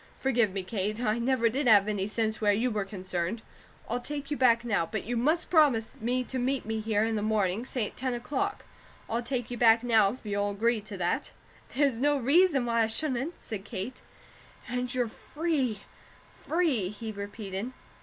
"Forgive me, Kate, I never did have any sense where you were concerned! I'll take you back now, but you must promise me to meet me here in the morning, say at ten o'clock. I'll take you back now, if you'll agree to that." "There's no reason why I shouldn't," said Kate. "And you're free, free!" he repeated.